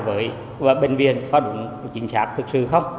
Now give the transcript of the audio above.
với bệnh viện có đúng chính xác thực sự không